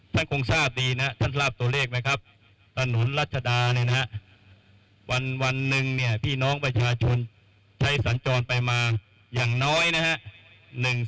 ท่านคงทราบตัวเลขไหมครับตนุนรัชดาวันนึงพี่น้องประชาชนใช้สัญจรไปมาอย่างน้อย๑๒๐๐๐๐๐คัน